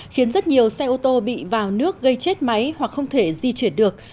khiến rất nhiều xe ô tô bị vào nước gây chết máy hoặc không thể di chuyển được